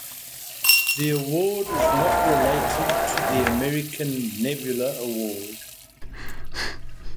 The award is not related to the American Nebula Award.